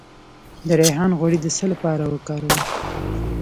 د ریحان غوړي د څه لپاره وکاروم؟